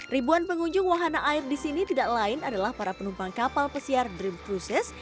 ribuan pengunjung wahana air di sini tidak lain adalah para penumpang kapal pesiar dream crucess